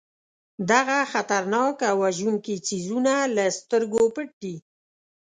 دغه خطرناک او وژونکي څیزونه له سترګو پټ دي.